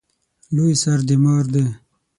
لوی سر د مار دی